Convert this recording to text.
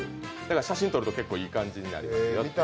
写真を撮るといい感じになります。